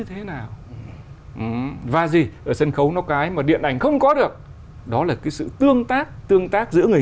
thế nào và gì ở sân khấu nó cái mà điện ảnh không có được đó là cái sự tương tác tương tác giữa người